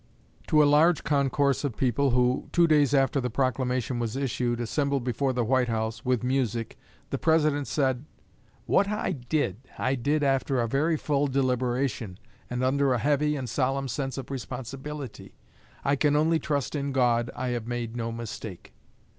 To a large concourse of people who, two days after the proclamation was issued, assembled before the White House, with music, the President said: "What I did, I did after a very full deliberation, and under a heavy and solemn sense of responsibility. I can only trust in God I have made no mistake."